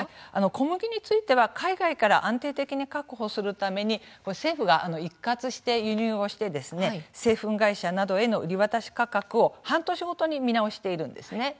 小麦については海外から安定的に確保するために政府が一括して輸入をしてですね製粉会社などへの売り渡し価格を半年ごとに見直しているんですね。